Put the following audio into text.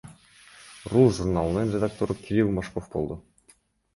ру журналынын редактору Кирилл Мошков болду.